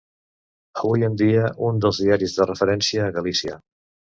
Avui en dia és un dels diaris de referència a Galícia.